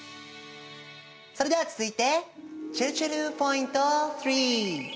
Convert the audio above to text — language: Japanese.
それでは続いてちぇるちぇるポイント３！